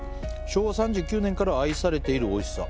昭和３９年から愛されているおいしさ